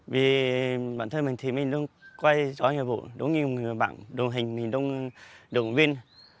vì bản thân mình thì mình luôn quay cho nghiệp vụ đúng như bạn đồng hình mình luôn động viên